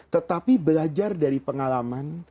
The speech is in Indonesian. tetapi belajar dari pengalaman